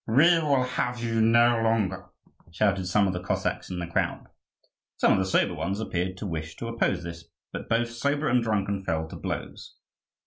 we will have you no longer!" shouted some of the Cossacks in the crowd. Some of the sober ones appeared to wish to oppose this, but both sober and drunken fell to blows.